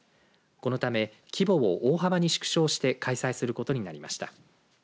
このため、規模を大幅に縮小して開催することになりました。